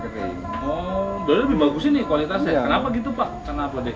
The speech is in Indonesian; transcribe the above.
oh jadi lebih bagus ini kualitasnya kenapa gitu pak kenapa deh karena dia cair